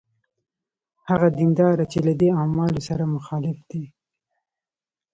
هغه دینداره چې له دې اعمالو سره مخالف دی.